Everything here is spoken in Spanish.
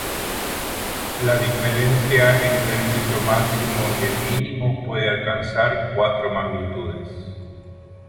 La diferencia entre el brillo máximo y el mínimo puede alcanzar cuatro magnitudes.